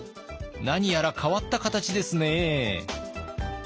何やら変わった形ですね。